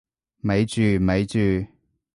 咪住咪住！